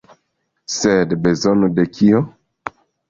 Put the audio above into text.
Sed, bezono de kio?